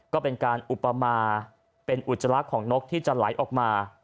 ก็เป็นการอุปมาเป็นอุจจาระของนกที่จะไหลออกมา